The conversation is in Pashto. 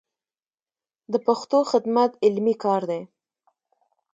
د پښتو خدمت علمي کار دی.